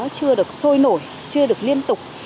chưa được sôi nổi chưa được liên tục